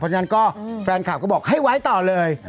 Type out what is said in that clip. เพราะฉะนั้นก็แฟนคลับก็บอกให้ไว้ต่อเลย